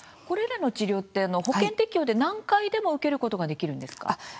これらの治療って保険適用で何回でも受けることができるんですか？